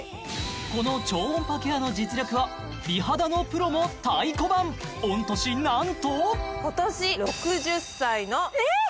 この超音波ケアの実力を美肌のプロも太鼓判御年何とえーっ！？